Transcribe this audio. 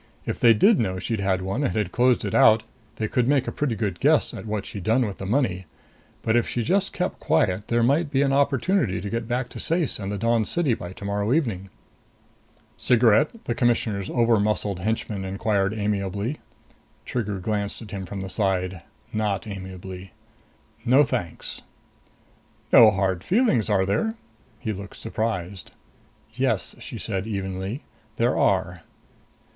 If they did know she'd had one and had closed it out, they could make a pretty good guess at what she'd done with the money. But if she just kept quiet, there might be an opportunity to get back to Ceyce and the Dawn City by tomorrow evening. "Cigarette?" the Commissioner's overmuscled henchman inquired amiably. Trigger glanced at him from the side. Not amiably. "No, thanks." "No hard feelings, are there?" He looked surprised. "Yes," she said evenly. "There are."